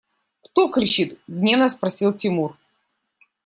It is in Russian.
– Кто кричит? – гневно спросил Тимур.